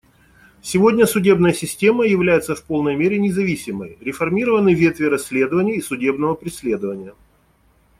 Сегодня судебная система является в полной мере независимой; реформированы ветви расследования и судебного преследования.